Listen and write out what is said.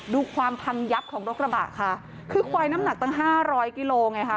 ดูความพังยับของรถกระบะค่ะคือควายน้ำหนักตั้งห้าร้อยกิโลไงค่ะ